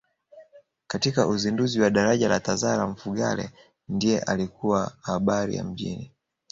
Katika uzinduzi wa daraja la Tazara Mfugale ndiye alikuwa habari ya mjini